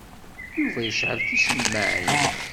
Yuba yecɛel ticemmaɛin.